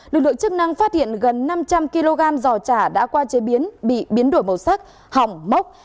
lực lượng chức năng phát hiện gần năm trăm linh kg giò chả đã qua chế biến bị biến đổi màu sắc hỏng mốc